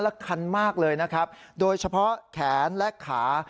และคันมากเลยนะครับโดยเฉพาะแขนและขา